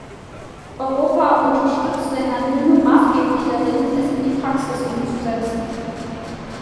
Europa unterstützte Herrn Hume maßgeblich darin, es in die Praxis umzusetzen.